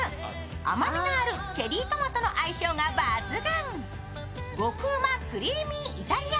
甘みのあるチェリートマトの相性が抜群。